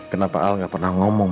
kenapa al nggak pernah ngomong